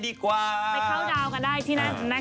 ไปกันเลยดีกว่า